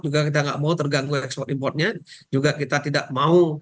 juga kita nggak mau terganggu ekspor importnya juga kita tidak mau